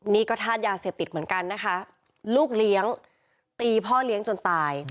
นี่ก็ธาตุยาเสพติดเหมือนกันนะคะลูกเลี้ยงตีพ่อเลี้ยงจนตาย